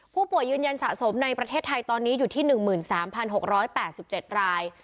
ยืนยันสะสมในประเทศไทยตอนนี้อยู่ที่๑๓๖๘๗ราย